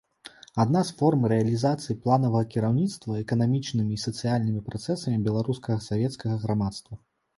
Адна з форм рэалізацыі планавага кіраўніцтва эканамічнымі і сацыяльнымі працэсамі беларускага савецкага грамадства.